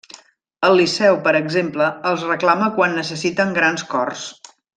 El Liceu, per exemple, els reclama quan necessiten grans cors.